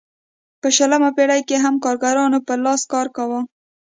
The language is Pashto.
په شلمه پېړۍ کې هم کارګرانو پر لاس کار کاوه.